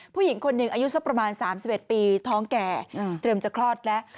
ผู้หญิงคนหนึ่งอายุสักประมาณ๓๑ปีท้องแก่เตรียมจะคลอดแล้ว